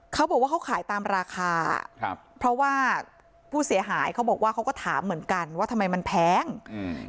เขาบอกว่าเขาขายตามราคาครับเพราะว่าผู้เสียหายเขาบอกว่าเขาก็ถามเหมือนกันว่าทำไมมันแพงอืม